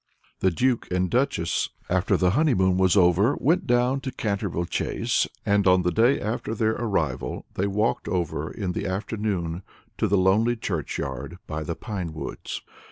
The Duke and Duchess, after the honeymoon was over, went down to Canterville Chase, and on the day after their arrival they walked over in the afternoon to the lonely churchyard by the pinewoods.